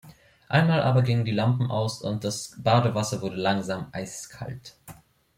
Einmal aber gingen die Lampen aus und das Badewasser wurde langsam eiskalt.